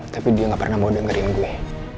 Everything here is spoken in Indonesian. tapi dia gak pernah mau dengerin gue